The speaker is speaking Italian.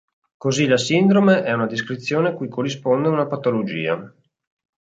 Così la sindrome è una descrizione cui corrisponde una patologia.